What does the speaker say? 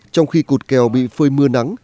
trong khi cột kèo bị phơi mưa nắng